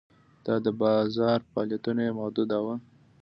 دا د بازار فعالیتونه یې محدوداوه.